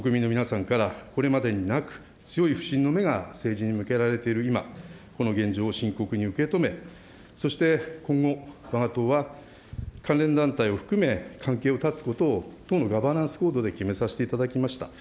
国民の皆さんからこれまでになく、強い不信の目が政治に向けられている今、この現状を深刻に受け止め、そして今後、わが党は関連団体を含め、関係を断つことを党のガバナンスコードで決めさせていただきました。